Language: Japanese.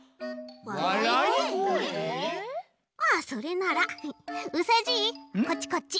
まあそれならうさじいこっちこっち。